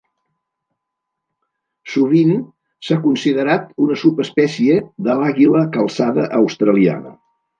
Sovint s'ha considerat una subespècie de l'Àguila calçada australiana.